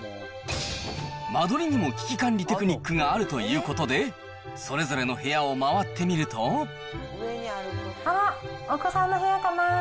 間取りにも危機管理テクニックがあるということで、それぞれあら、お子さんの部屋かな。